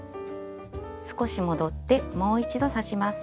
少し戻ってもう一度刺します。